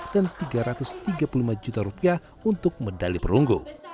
dan tiga ratus tiga puluh lima juta rupiah untuk medali perunggu